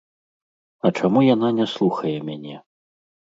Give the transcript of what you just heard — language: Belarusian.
А чаму яна не слухае мяне?